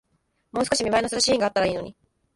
もう少し見栄えのするシーンがあったらいいのに